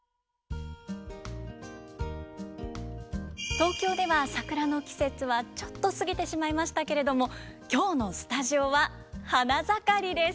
東京では桜の季節はちょっと過ぎてしまいましたけれども今日のスタジオは花盛りです。